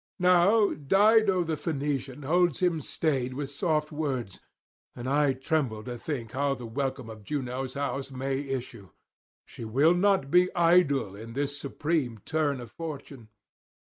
Now Dido the Phoenician holds him stayed with soft words, and I tremble to think how the welcome of Juno's house may issue; she will not be idle in this supreme turn of fortune.